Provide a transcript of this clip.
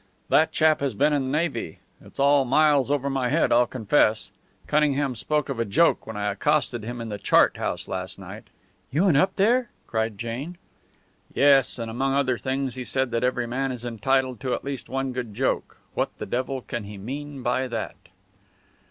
"That chap has been in the Navy. It's all miles over my head, I'll confess. Cunningham spoke of a joke when I accosted him in the chart house last night." "You went up there?" cried Jane. "Yes. And among other things he said that every man is entitled to at least one good joke. What the devil can he mean by that?"